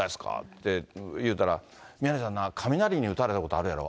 って言うたら、宮根さんな、雷に打たれたことあるやろ？